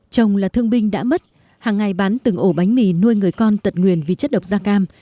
chồng là thương binh đã mất hàng ngày bán từng ổ bánh mì nuôi người con tật nguyền vì chất độc da cam